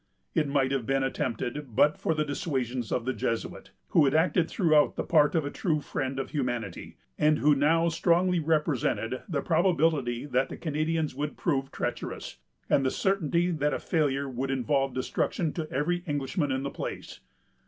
It might have been attempted, but for the dissuasions of the Jesuit, who had acted throughout the part of a true friend of humanity, and who now strongly represented the probability that the Canadians would prove treacherous, and the certainty that a failure would involve destruction to every Englishman in the place.